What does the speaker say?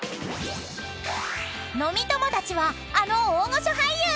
［飲み友達はあの大御所俳優］